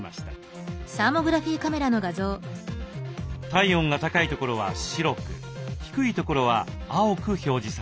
体温が高いところは白く低いところは青く表示されます。